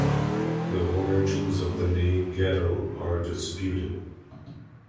The origins of the name "ghetto" are disputed.